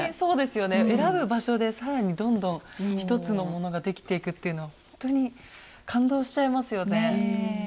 選ぶ場所で更にどんどん一つのものができていくっていうのはほんとに感動しちゃいますよね。